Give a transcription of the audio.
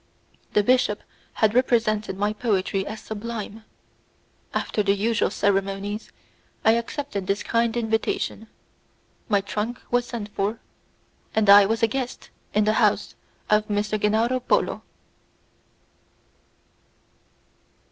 The bishop had represented my poetry as sublime. After the usual ceremonies, I accepted his kind invitation, my trunk was sent for, and I was a guest in the house of M. Gennaro Polo.